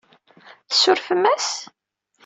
Tsurfem-as?